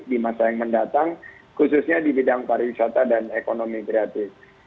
di masa yang mendatang khususnya di bidang pariwisata dan ekonomi kreatif